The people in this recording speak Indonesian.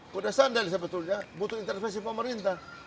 kuda sendal sebetulnya butuh intervensi pemerintah